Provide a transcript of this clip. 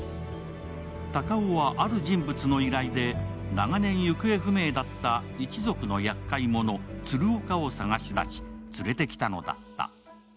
隆生はある人物の依頼で長年行方不明だった一族のやっかい者、鶴岡を探し出し、連れてきたのだった。